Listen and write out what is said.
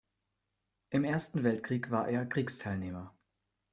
Im Ersten Weltkrieg war er Kriegsteilnehmer.